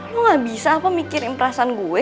lo gak bisa apa mikirin perasaan gue